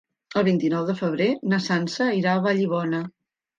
El vint-i-nou de febrer na Sança irà a Vallibona.